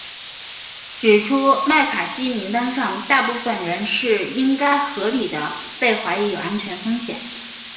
指出麦卡锡名单上大部分人是应该合理地被怀疑有安全风险。